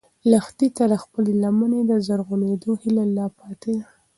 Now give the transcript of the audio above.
لښتې ته د خپلې لمنې د زرغونېدو هیله لا پاتې ده.